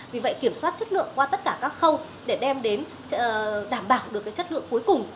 vì vậy kiểm soát chất lượng qua tất cả các khâu để đảm bảo được chất lượng cuối cùng